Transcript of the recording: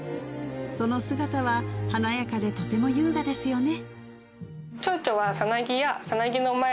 その姿は華やかでとても優雅ですよね